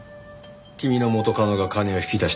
君の元カノが金を引き出した口座